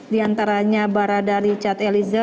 diantaranya barada richard eliza